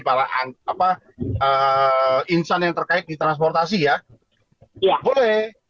para insan yang terkait di transportasi ya tidak boleh